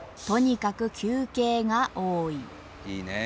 とにかく休憩が多い。